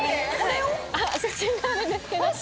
写真があるんですけど。